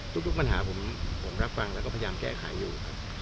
ทุกปัญหาผมรับฟังแล้วก็พยายามแก้ไขอยู่ครับ